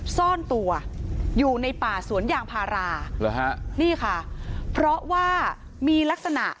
ซ่อนตัวอยู่ในป่าสวนยางพาราเหรอฮะนี่ค่ะเพราะว่ามีลักษณะ